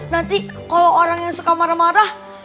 nanti kalau orang yang suka marah marah